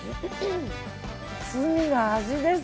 罪な味です。